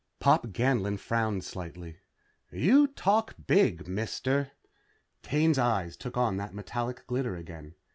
Pop Ganlon frowned slightly. "You talk big, mister." Kane's eyes took on that metallic glitter again.